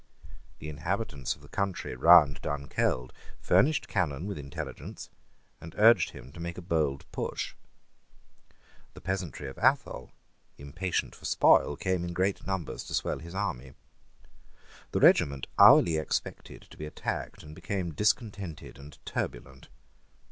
The inhabitants of the country round Dunkeld furnished Cannon with intelligence, and urged him to make a bold push. The peasantry of Athol, impatient for spoil, came in great numbers to swell his army. The regiment hourly expected to be attacked, and became discontented and turbulent.